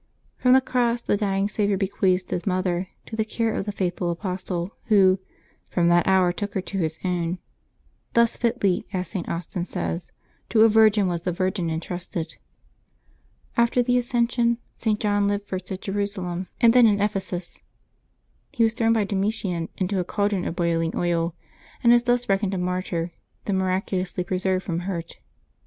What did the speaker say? From the cross the dying Saviour bequeathed His Mother to the care of the faithful apostle, who " from that hour took her to his own ;" thus fitlv, as St. Austin says, "to a virgin was the Virgin intrusted." After the Ascension, St. John lived first at Jerusalem, and 388 LIYE8 OF TEE SAINTS [De€embeb 28 then at Epheeus. He was thrown by Domitian into a cal dron of boiling oil, and is thus reckoned a mart}T, though miraculously preserved from hurt.